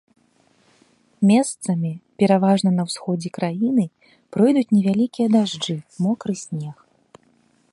Месцамі, пераважна на ўсходзе краіны, пройдуць невялікія дажджы, мокры снег.